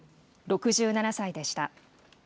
６７歳でした。